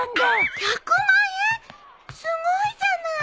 すごいじゃない！